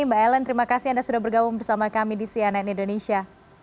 mbak ellen terima kasih anda sudah bergabung bersama kami di cnn indonesia